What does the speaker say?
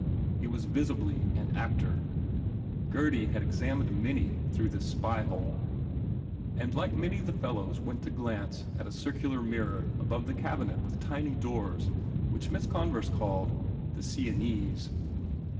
He was visibly an actor. Gurdy had examined many through this spyhole. And like many the fellow went to glance at a circular mirror above the cabinet with tiny doors which Miss Converse called "Sien nese."